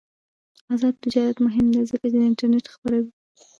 آزاد تجارت مهم دی ځکه چې انټرنیټ خپروي.